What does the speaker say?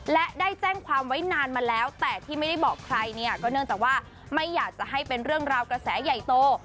และได้แจ้งความไว้นานมาแล้วแต่ที่ไม่ได้บอกใครเนี่ยก็เนื่องจากว่าไม่อยากจะให้เป็นเรื่องราวกระแสใหญ่โต